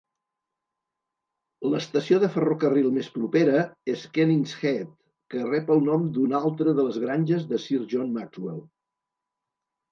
L'estació de ferrocarril més propera és Kennishead, que rep el nom d'una altra de les granges de Sir John Maxwell.